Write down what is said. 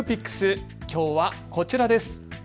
きょうはこちらです。